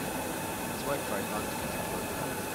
His wife tried hard to get him to open up.